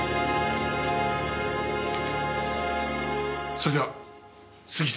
それでは杉下さん。